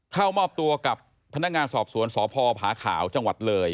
เข้ามอบตัวกับพนักงานสอบสวนสพผาขาวจังหวัดเลย